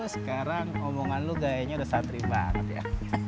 sekarang omongan lo kayaknya udah satrim banget ya